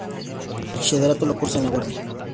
El bachillerato lo cursa en La Guardia.